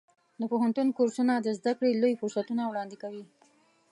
د پوهنتون کورسونه د زده کړې لوی فرصتونه وړاندې کوي.